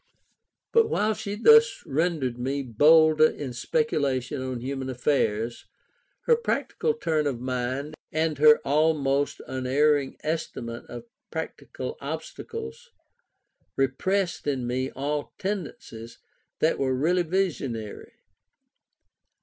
But while she thus rendered me bolder in speculation on human affairs, her practical turn of mind, and her almost unerring estimate of practical obstacles, repressed in me all tendencies that were really visionary.